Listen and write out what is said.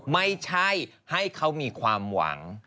ไม่ใช่ให้เขามีความหวัง